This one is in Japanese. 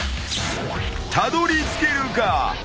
［たどりつけるか？］